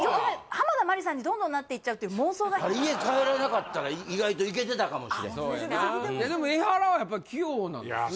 濱田マリさんにどんどんなっていっちゃうっていう妄想が家帰らなかったら意外といけてたかもしれんでもエハラはやっぱり器用なんですね